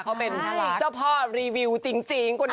เขาเป็นเจ้าพ่อรีวิวจริง